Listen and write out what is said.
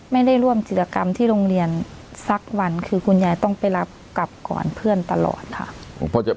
ไม่ได้ร่วมจิตรกรรมที่โรงเรียนสักวันคือคุณยายต้องไปรับกลับก่อนเพื่อนตลอดค่ะ